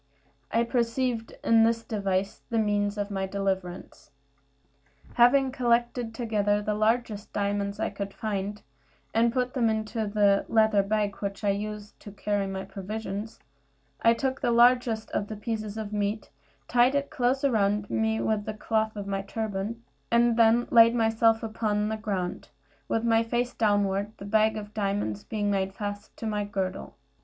I perceived in this device the means of my deliverance. Having collected together the largest diamonds I could find, and put them into the leather bag in which I used to carry my provisions, I took the largest of the pieces of meat, tied it close round me with the cloth of my turban, and then laid myself upon the ground, with my face downward, the bag of diamonds being made fast to my girdle.